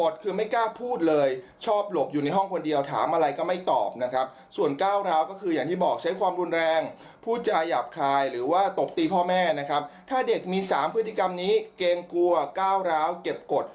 ถ้าเด็กมี๓พฤติกรรมนี้เกรงกลัวก้าวร้าวเก็บกฎ